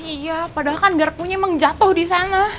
iya padahal kan garpunya emang jatuh di sana